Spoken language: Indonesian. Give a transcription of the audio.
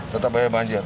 tetap bayar banjir